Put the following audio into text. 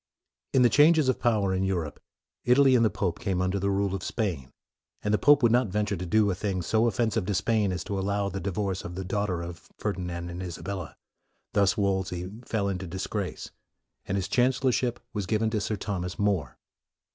In the changes of power in Europe, Italy and the pope came under the rule of Spain, and the pope would not venture to do a thing so offensive to Spain as to allow the divorce of the daughter of Ferdinand and Isabella. Thus Wolsey fell into dis grace, and his chancellorship was given to Sir Thomas More.